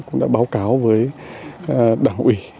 cũng đã báo cáo với đảng ủy